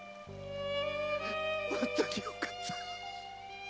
本当によかった‼